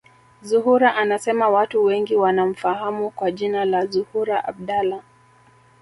Zuhura anasema watu wengi wanamfahamu kwa jina la Zuhura Abdallah